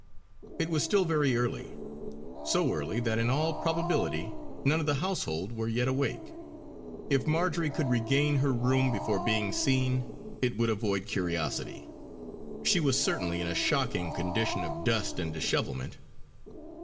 It was still very early, so early that in all probability none of the household were yet awake; if Marjory could regain her room before being seen, it would avoid curiosity. She was certainly in a shocking condition of dust and dishevelment.